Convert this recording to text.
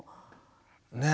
ねえ。